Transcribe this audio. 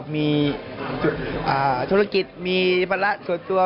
มีธุรกิจมีพันธ์ละส่วนตัว